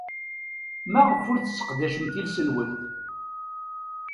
Maɣef ur tesseqdacemt iles-nwent?